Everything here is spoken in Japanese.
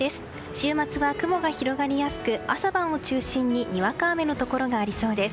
週末は雲が広がりやすく朝晩を中心ににわか雨のところがありそうです。